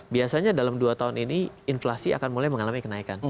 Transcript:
biasanya dalam dua tahun ini inflasi akan mulai mengalami kenaikan